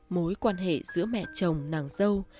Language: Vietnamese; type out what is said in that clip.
mối quan hệ giữa mẹ chồng nàng dâu